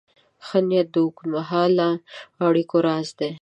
ښه نیت د اوږدمهاله اړیکو راز دی.